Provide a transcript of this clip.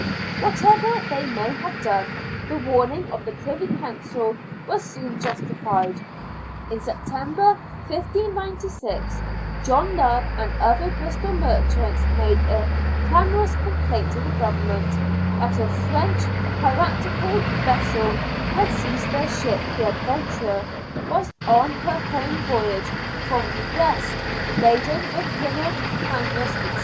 Whatever they may have done, the warning of the Privy Council was soon justified. In September, 1596, John Love and other Bristol merchants made a clamorous complaint to the Government that a French " piratical " vessel had seized their ship, the Adventure, whilst on her home voyage from Brest, laden with linen, canvas, &c.